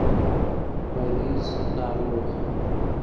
مريض √ ناروغ